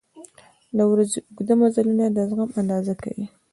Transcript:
• د ورځې اوږده مزلونه د زغم اندازه کوي.